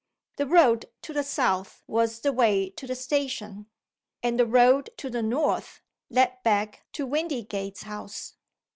The road to the south was the way to the station. And the road to the north led back to Windygates House.